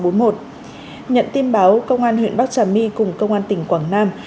nhận tin báo công an huyện bắc trà my cùng công an tỉnh quảng nam